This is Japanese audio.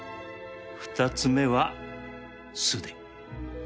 ２つ目は酢で